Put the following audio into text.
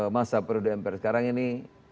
masa periode mpr sekarang ini